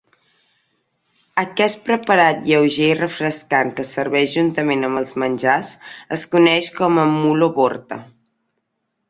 Aquest preparat lleuger i refrescant que es serveix juntament amb els menjars es coneix com a "mulo bhorta".